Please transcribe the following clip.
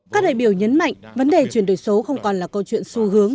các đại biểu nhấn mạnh vấn đề chuyển đổi số không còn là câu chuyện xu hướng